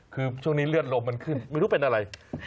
คือช่วงนี้เลือดลมมันขึ้นไม่รู้เป็นอะไร